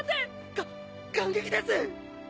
か感激です！